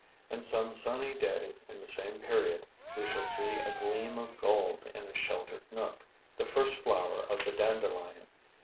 And some sunny day in the same period we shall see a gleam of gold in a sheltered nook, the first flower of the dandelion.